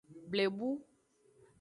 Blebu.